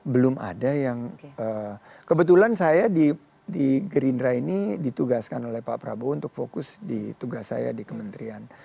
belum ada yang kebetulan saya di gerindra ini ditugaskan oleh pak prabowo untuk fokus di tugas saya di kementerian